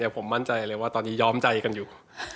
ผมมั่นใจเลยว่าตอนนี้ย้อมใจกันอยู่